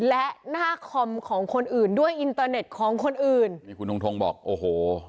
และหน้าคอมของคนอื่นด้วยอินเตอร์เน็ตของคนอื่นนี่คุณทงทงบอกโอ้โห